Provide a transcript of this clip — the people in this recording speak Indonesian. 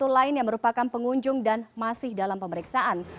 satu ratus tiga puluh satu lain yang merupakan pengunjung dan masih dalam pemeriksaan